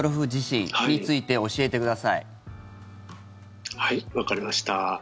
はい、わかりました。